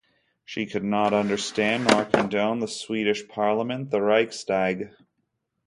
She could not understand nor condone the Swedish parliament, the Riksdag.